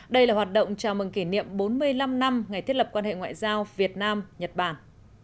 đây là hoạt động chào mừng kỷ niệm bốn mươi năm năm ngày thiết lập quan hệ ngoại giao việt nam nhật bản